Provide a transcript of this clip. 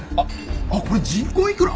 あっこれ人工いくら？